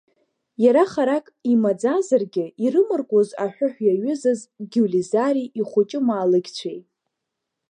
Иара харак имаӡазаргьы, ирымаркузыз аҳәыҳә иаҩызаз гиулизари, ихуҷы-маалықьцәеи?